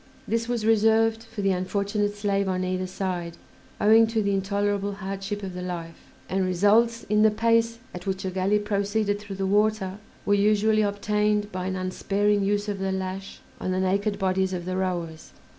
This was reserved for the unfortunate slave on either side owing to the intolerable hardship of the life, and results, in the pace at which a galley proceeded through the water, were usually obtained by an unsparing use of the lash on the naked bodies of the rowers.